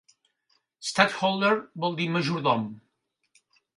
"Stadtholder" vol dir "majordom".